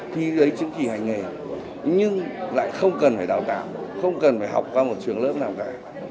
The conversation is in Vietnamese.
thi giấy chứng chỉ hành nghề nhưng lại không cần phải đào tạo không cần phải học qua một trường lớp nào cả